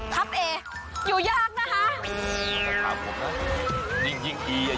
ครับเออยู่ยากนะคะ